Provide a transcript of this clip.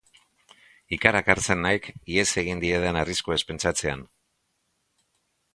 Ikarak hartzen naik ihes egin diedan arriskuez pentsatzean.